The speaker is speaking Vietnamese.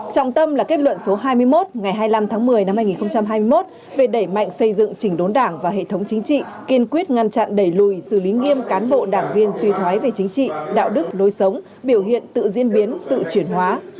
trọng tâm là kết luận số hai mươi một ngày hai mươi năm tháng một mươi năm hai nghìn hai mươi một về đẩy mạnh xây dựng chỉnh đốn đảng và hệ thống chính trị kiên quyết ngăn chặn đẩy lùi xử lý nghiêm cán bộ đảng viên suy thoái về chính trị đạo đức lối sống biểu hiện tự diễn biến tự chuyển hóa